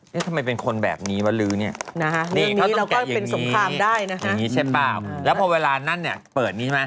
ที่เป็นคนแบบนี้มาลื้อนี้